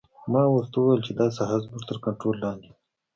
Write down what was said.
ما ورته وویل چې دا ساحه زموږ تر کنترول لاندې ده